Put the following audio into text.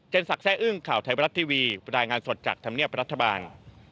ศักดิ์อึ้งข่าวไทยบรัฐทีวีบรรยายงานสดจากธรรมเนียบรัฐบาล